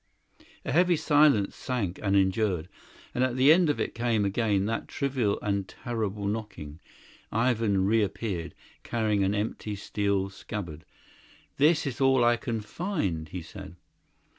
A heavy silence sank and endured, and at the end of it came again that trivial and terrible knocking. Ivan reappeared, carrying an empty steel scabbard. "This is all I can find," he said.